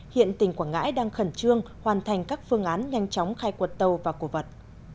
hiện tỉnh quảng ngãi đang khẩn trương hoàn thành các phương án nhanh chóng khai quật tàu và cổ vật